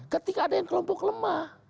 ketika ada yang kelompok lemah